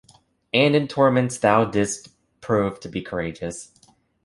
And in torments thou didst prove to be courageous.